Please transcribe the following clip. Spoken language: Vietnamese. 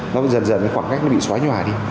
nó dần dần cái khoảng cách nó bị xóa nhòa đi